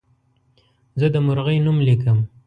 زه د مرغۍ نوم لیکم.